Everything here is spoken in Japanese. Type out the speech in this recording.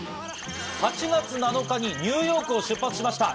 ８月７日にニューヨークを出発しました。